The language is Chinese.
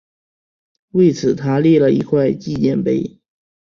为此他立了一块纪念碑。